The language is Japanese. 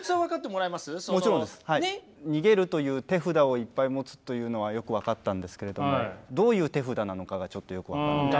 逃げるという手札をいっぱい持つというのはよく分かったんですけれどもどういう手札なのかがちょっとよく分からない。